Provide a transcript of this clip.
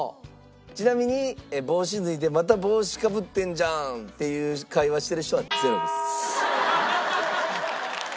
ちなみに「帽子脱いでまた帽子かぶってんじゃん！」っていう会話してる人はゼロです。